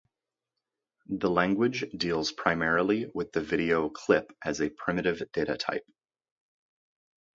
The language deals primarily with the video "clip" as a primitive data type.